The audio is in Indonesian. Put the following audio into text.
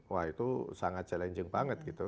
wah itu sangat challenging banget gitu